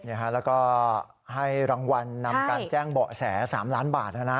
แล้วก็ให้รางวัลนำการแจ้งเบาะแส๓ล้านบาท